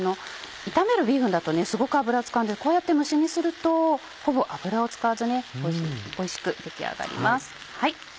炒めるビーフンだとすごく油を使うんでこうやって蒸し煮するとほぼ油を使わずおいしく出来上がります。